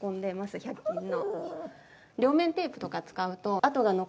１００均の。